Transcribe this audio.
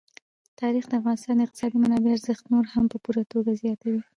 تاریخ د افغانستان د اقتصادي منابعو ارزښت نور هم په پوره توګه زیاتوي.